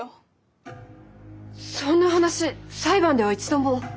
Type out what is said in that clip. そんな話裁判では一度も！